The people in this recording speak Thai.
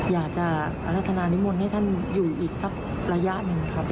อยากจะอรัฐนานิมนต์ให้ท่านอยู่อีกสักระยะหนึ่งครับ